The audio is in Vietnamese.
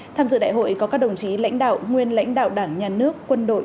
tham dự đại hội có các đồng chí lãnh đạo nguyên lãnh đạo đảng nhà nước quân đội